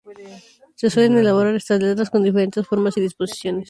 Se suelen elaborar estas letras con diferentes formas y disposiciones.